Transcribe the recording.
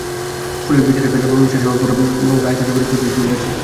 ফলে বিচারিক কার্যক্রম শেষ হওয়ার পরও রায় কার্যকরের প্রক্রিয়াটি ঝুলে আছে।